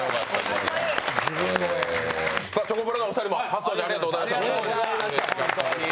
チョコプラのお二人も初登場、ありがとうございました。